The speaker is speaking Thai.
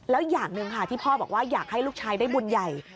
แล้วอย่างหนึ่งค่ะที่พ่อบอกว่าอยากให้ลูกชายได้บุญใหญ่